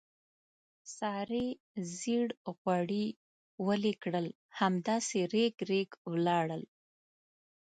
سارې زېړ غوړي ویلې کړل، همداسې رېګ رېګ ولاړل.